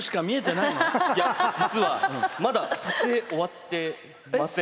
いや、実は、まだ撮影終わってません。